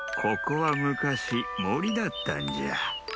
ここはむかしもりだったんじゃ。